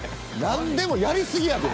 何でもやり過ぎやで。